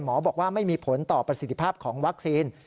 หมอบอกว่าไม่มีผลต่อประสิทธิภาพของวัคซีน